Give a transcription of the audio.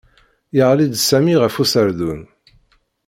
Yeɣli-d Sami ɣef userdun.